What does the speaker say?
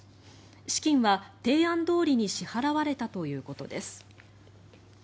資金は提案どおりに支払われたということです。